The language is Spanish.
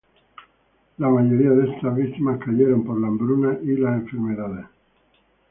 La mayoría de estas víctimas cayeron por la hambruna y las enfermedades.